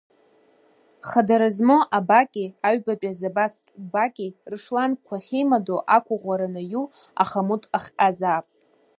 Хадара змоу абаки аҩбатәи азапастә баки рышлангқәа ахьеимадоу, ақәыӷәӷәара анаиу, ахамут ахҟьазаап.